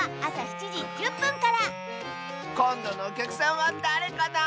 こんどのおきゃくさんはだれかな？